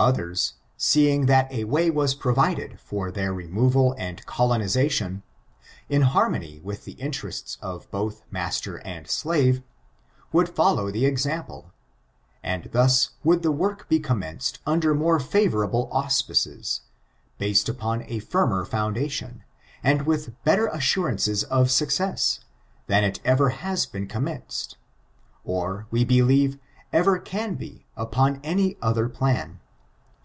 Others, seeing that a way was provided for their removal and colonization, in harmony with the interests of both master and slave, would follow the example ; and thus would the work be commenced under more favor able auspices, based upon a firmer foundation, and with better assurances of success, than it ever has been commenced, or, we believe, ever can be upon any other plan.